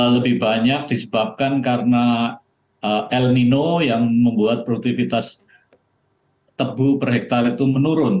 lebih banyak disebabkan karena el nino yang membuat produktivitas tebu per hektare itu menurun